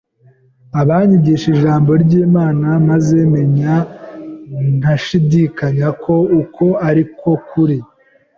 anyigisha ijambo ry’Imana maze menya ntashidikanya ko uko ari ko kuri.